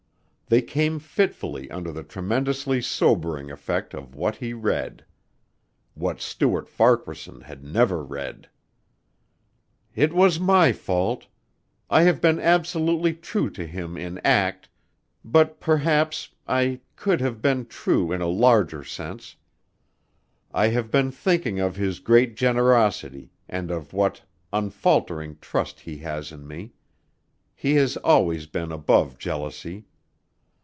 They came fitfully under the tremendously sobering effect of what he read. What Stuart Farquaharson had never read. "It was my fault.... I have been absolutely true to him in act ... but perhaps ... I could ... have been true in a larger sense. I have been thinking of his great generosity and of what unfaltering trust he has in me ... he has always been above jealousy.